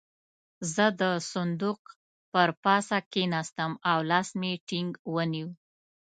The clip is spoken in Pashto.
زه د صندوق پر پاسه کېناستم او لاس مې ټينګ ونيو.